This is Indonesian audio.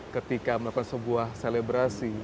ketika melakukan sebuah selebrasi